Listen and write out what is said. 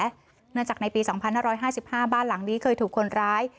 เนื่องจากในปีสองพันห้าร้อยห้าสิบห้าบ้านหลังนี้เคยถูกคนร้าย